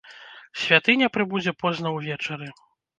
Святыня прыбудзе позна ўвечары.